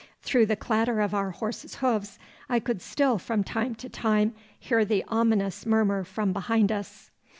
Through the clatter of our horses' hoofs I could still from time to time hear the ominous murmur from behind us.